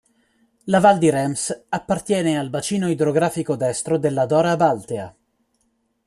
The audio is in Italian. La Val di Rhêmes appartiene al bacino idrografico destro della Dora Baltea.